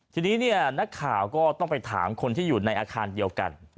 ทีนี้นักข่าวก็ต้องไปถามคนที่อยู่ในอาคารเดียวกัน